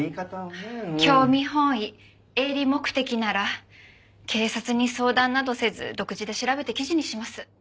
興味本位営利目的なら警察に相談などせず独自で調べて記事にします。